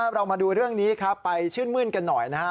เรามาดูเรื่องนี้ครับไปชื่นมื้นกันหน่อยนะครับ